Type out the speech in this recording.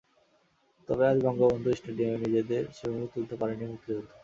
তবে আজ বঙ্গবন্ধু স্টেডিয়ামে নিজেদের সেভাবে তুলে ধরতে পারেনি মুক্তিযোদ্ধা।